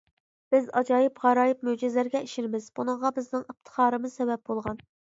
بىز ئاجايىپ-غارايىپ مۆجىزىلەرگە ئىشىنىمىز، بۇنىڭغا بىزنىڭ ئىپتىخارىمىز سەۋەب بولغان.